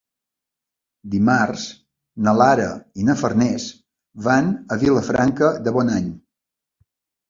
Dimarts na Lara i na Farners van a Vilafranca de Bonany.